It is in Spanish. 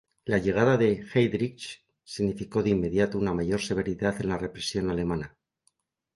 La llegada de Heydrich significó de inmediato una mayor severidad en la represión alemana.